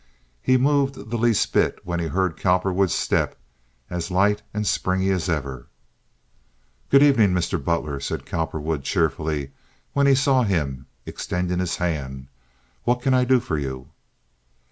He moved the least bit when he heard Cowperwood's step, as light and springy as ever. "Good evening, Mr. Butler," said Cowperwood, cheerfully, when he saw him, extending his hand. "What can I do for you?"